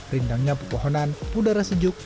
rindangnya pepohonan udara sejuk